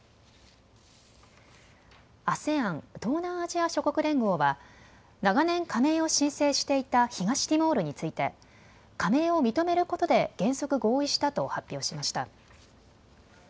ＡＳＥＡＮ・東南アジア諸国連合は、長年加盟を申請していた東ティモールについて加盟を認めることで原則、合意したと発表しました。